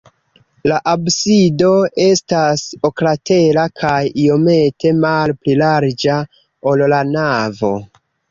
La absido estas oklatera kaj iomete malpli larĝa, ol la navo.